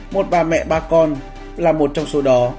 một bà mẹ ba con là một trong số đó